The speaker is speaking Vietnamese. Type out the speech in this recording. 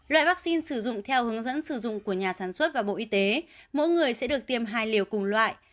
loại vaccine sử dụng theo hướng dẫn sử dụng của nhà sản xuất và bộ y tế mỗi người sẽ được tiêm hai liều cùng loại